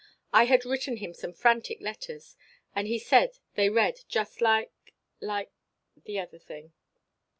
I had written him some frantic letters, and he said they read just like like the other thing.